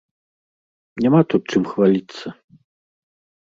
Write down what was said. Няма тут чым хваліцца.